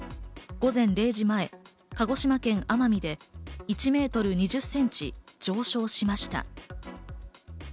午前０時前、鹿児島県奄美で１メートル２０センチ上昇しました。